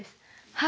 はい。